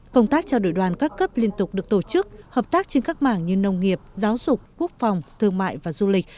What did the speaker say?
công tác trao đổi đoàn các cấp liên tục được tổ chức hợp tác trên các mảng như nông nghiệp giáo dục quốc phòng thương mại và du lịch